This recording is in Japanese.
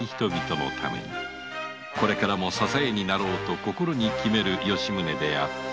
これからも支えになろうと心に決める吉宗であった